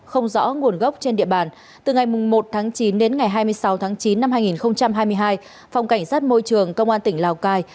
không rõ nguồn gốc trên địa bàn từ ngày một tháng chín đến ngày hai mươi sáu tháng chín năm hai nghìn hai mươi hai phòng cảnh sát môi trường công an tỉnh lào cai